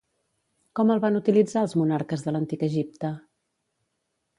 Com el van utilitzar els monarques de l'Antic Egipte?